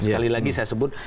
sekali lagi saya sebut